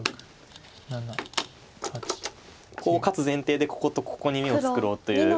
コウ勝つ前提でこことことに眼を作ろうという。